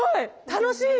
楽しい！